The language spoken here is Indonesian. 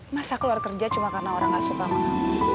masa keluar kerja cuma karena orang nggak suka mengambil